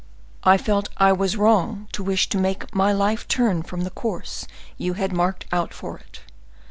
I felt I was wrong to wish to make my life turn from the course you had marked out for it.